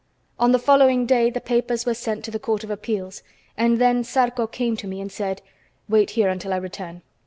On the following day the papers were sent to the Court of Appeals, and then Zarco came to me and said: "Wait here until I return.